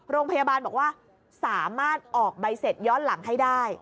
โรงพยาบาลบอกว่าสามารถออกใบเสร็จย้อนหลังให้ได้